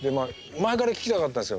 前から聞きたかったんですよ。